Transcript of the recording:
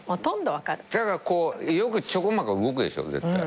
ただこうよくちょこまか動くでしょ絶対。